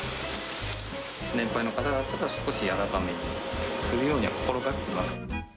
年配の方だったら、少し軟らかめにするように心がけてます。